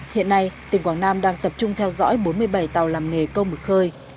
hiện nay tỉnh quảng nam đang tập trung theo dõi bốn mươi bảy tàu làm nghề câu mực khơi